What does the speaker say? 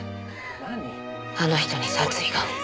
あの人に殺意が。